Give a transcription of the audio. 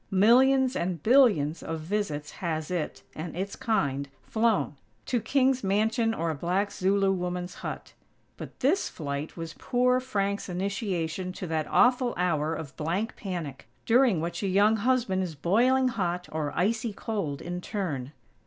Millions and billions of visits has it, and its kind, flown to king's mansion or a black Zulu woman's hut. But this flight was poor Frank's initiation to that awful hour of blank panic, during which a young husband is boiling hot or icy cold in turn.